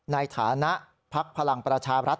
ในฐานะภักดิ์พลังประชารัฐ